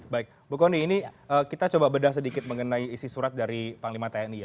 baik bu kony ini kita coba bedah sedikit mengenai isi surat dari panglima tni ya